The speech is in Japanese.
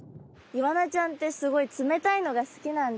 イワナちゃんってすごい冷たいのが好きなんですね。